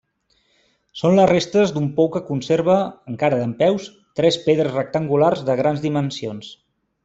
Són les restes d'un pou que conserva, encara dempeus, tres pedres rectangulars de grans dimensions.